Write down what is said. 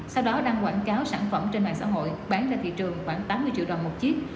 sau đó đăng quảng cáo sản phẩm trên mạng xã hội bán ra thị trường khoảng tám mươi triệu đồng một chiếc